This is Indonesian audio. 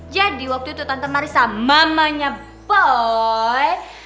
jadi waktu itu tante marissa mamanya boy